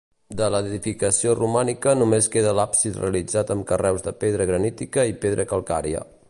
De l'edificació romànica només queda l'absis realitzat amb carreus de pedra granítica i pedra calcària.